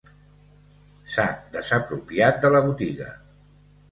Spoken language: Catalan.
S'ha desapropiat de la botiga.